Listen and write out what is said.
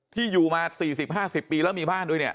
ที่อยู่มา๔๐๕๐ปีแล้วมีบ้านด้วยเนี่ย